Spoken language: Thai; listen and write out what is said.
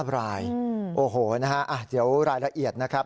รายโอ้โหนะฮะเดี๋ยวรายละเอียดนะครับ